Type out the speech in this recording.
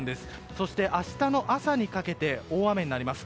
そして、明日の朝にかけて大雨になります。